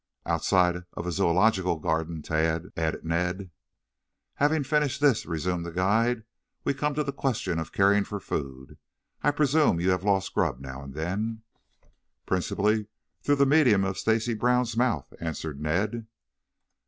"Outside of a zoological garden, Tad," added Ned. "Having finished this," resumed the guide, "we come to the question of caring for the food. I presume you have lost grub now and then?" "Principally through the medium of Stacy Brown's mouth," answered Ned.